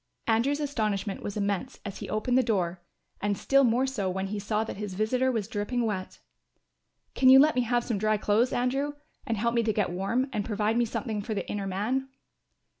Andrew's astonishment was immense as he opened the door and still more so when he saw that his visitor was dripping wet. "Can you let me have some dry clothes, Andrew, and help me to get warm, and provide me with something for the inner man?"